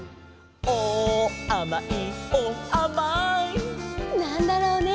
「おおあまいおおあまい」なんだろうね？